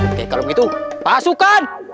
oke kalau begitu pasukan